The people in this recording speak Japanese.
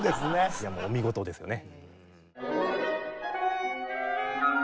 いやもうお見事ですよね。